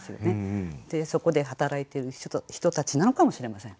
そこで働いている人たちなのかもしれません。